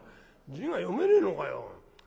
字が読めねえのかよ！